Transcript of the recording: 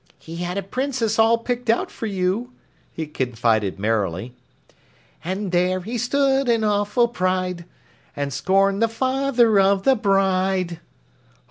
"He had a Princess all picked out for you," he confided merrily: And there he stood in awful pride And scorned the father of the bride!